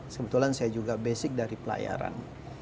kebetulan saya juga basic dari pelayaran